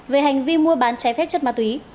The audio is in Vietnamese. về hành vi mua bán trái phép chất ma túy